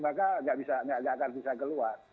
maka tidak akan bisa keluar